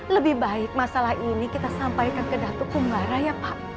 lebih baik masalah ini kita sampaikan ke datuk kumbara ya pak